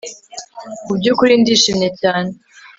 Mubyukuri ndishimye cyane